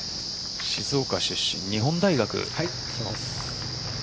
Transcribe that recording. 静岡出身、日本大学。